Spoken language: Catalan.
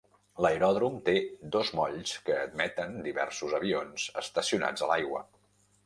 L'aeròdrom té dos molls que admeten diversos avions estacionats a l'aigua.